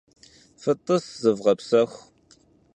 Fıt'ıs, zıvğepsexu!